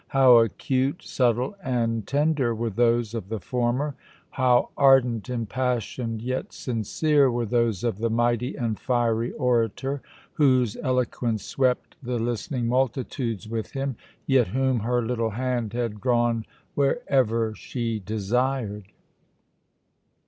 How acute, subtle, and tender were those of the former; how ardent, impassioned, yet sincere were those of the mighty and fiery orator, whose eloquence swept the listening multitudes with him, yet whom her little hand had drawn wherever she desired!